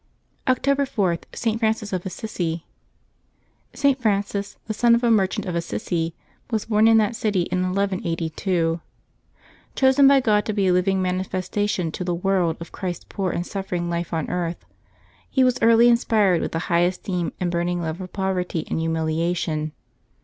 October 4.— ST. FRANCIS OF ASSISI. [T. Feaitcis, the son of a merchant of Assisi, was born in that city in 1182. Chosen by God to be a living manifestation to the world of Christ's poor and suffering life on earth, he was early inspired with a high esteem and burning love of poverty and humiliation.